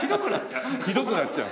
ひどくなっちゃう？